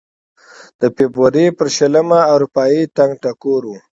د فبروري په شلمه اروپايي ټنګ ټکور و.